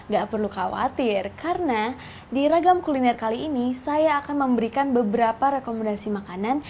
gak perlu khawatir karena di ragam kuliner kali ini saya akan memberikan beberapa rekomendasi makanan